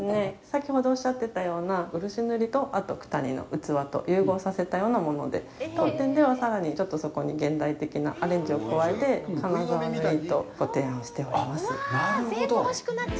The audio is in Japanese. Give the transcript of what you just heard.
先ほどおっしゃってたような漆塗りと九谷の器と融合させたようなもので、当店では、さらにそこに現代的なアレンジを加えて、金沢塗りとご提案しております。